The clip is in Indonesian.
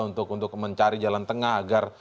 untuk mencari jalan tengah agar